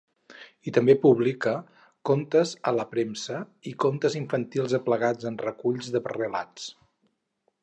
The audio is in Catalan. I també publica contes a la premsa i contes infantils aplegats en reculls de relats.